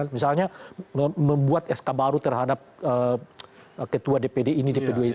misalnya membuat sk baru terhadap ketua dpd ini dpd itu